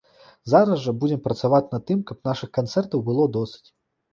Зараз жа будзем працаваць над тым, каб нашых канцэртаў было досыць!